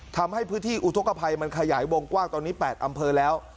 ทำให้พื้นที่อุทธกภัยมันขยายวงกว้างตอนนี้๘อำเภอแล้ว